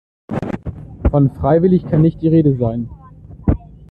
Von freiwillig kann nicht die Rede sein.